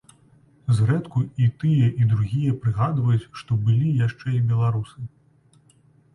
Зрэдку і тыя і другія прыгадваюць, што былі яшчэ і беларусы.